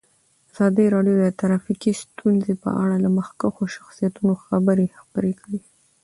ازادي راډیو د ټرافیکي ستونزې په اړه د مخکښو شخصیتونو خبرې خپرې کړي.